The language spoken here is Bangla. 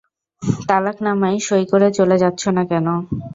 তালাকনামায় সই করে চলে যাচ্ছো না কেন?